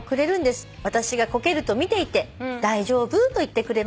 「私がこけると見ていて大丈夫？と言ってくれます」